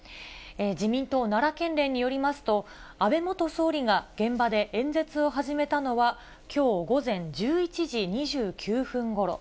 自民党奈良県連によりますと、安倍元総理が現場で演説を始めたのは、きょう午前１１時２９分ごろ。